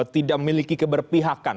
tidak memiliki keberpihakan